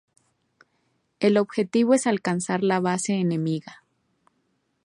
El objetivo es alcanzar la base enemiga.